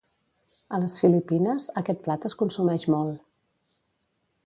A les Filipines, aquest plat es consumeix molt.